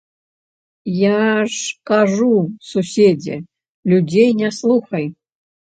Я ж кажу, суседзе, людзей не слухай!